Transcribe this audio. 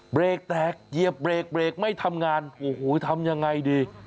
เบรกแตกเกียบเบรกไม่ทำงานโอ้โฮทำอย่างไรดี